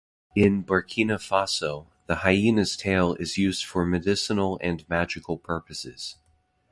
In Burkina Faso, the hyena's tail is used for medicinal and magical purposes.